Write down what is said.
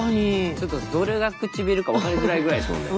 ちょっとどれが唇か分かりづらいぐらいですもんね。